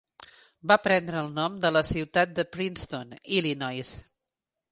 Va prendre el nom de la ciutat de Princeton (Illinois).